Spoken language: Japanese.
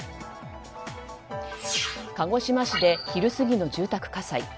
鹿児島市で昼過ぎの住宅火災。